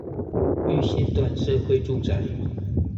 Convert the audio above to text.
育賢段社會住宅